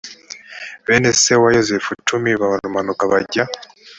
bene se wa yosefu cumi baramanuka bajya